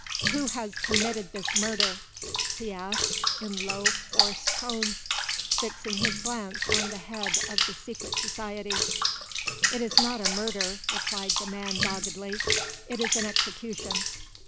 "Who has committed this murder?" he asked in low hoarse tones, fixing his glance on the head of the Secret Society. "It is not a murder," replied the man doggedly; "it is an execution."